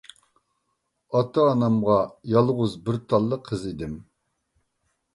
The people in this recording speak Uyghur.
ئاتا-ئانامغا يالغۇز بىر تاللا قىز ئىدىم.